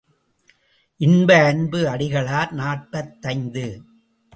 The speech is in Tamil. இன்ப அன்பு அடிகளார் நாற்பத்தைந்து.